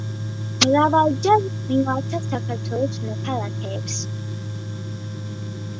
მრავალჯერ მიმართა საქართველოს მოქალაქეებს.